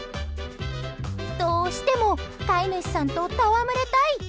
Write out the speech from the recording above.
どうしても飼い主さんと戯れたい。